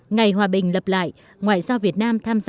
ngày hòa bình lập lại ngoại giao việt nam tham gia